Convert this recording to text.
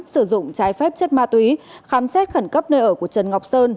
sử dụng trái phép chất ma túy khám xét khẩn cấp nơi ở của trần ngọc sơn